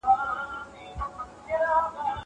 زه مخکي درس لوستی و.